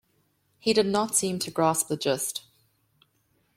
He did not seem to grasp the gist.